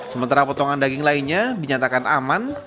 sementara potongan daging lainnya dinyatakan aman